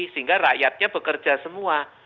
sehingga rakyatnya bekerja semua